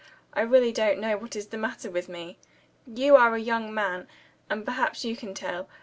I really don't know what is the matter with me. You are a young man, and perhaps you can tell.